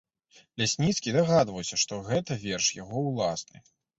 Лясніцкі дагадаўся, што гэта верш яго ўласны.